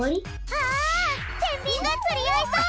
あてんびんがつりあいそう！